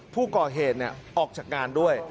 ผู้ก่อเหตุเนี่ยออกจากงานด้วย